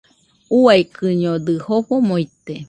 Uaikɨñodɨ jofomo ite.